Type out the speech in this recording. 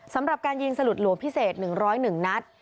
สำหรับการยิงสลุดหลวงพิเศษ๑๐๑นัด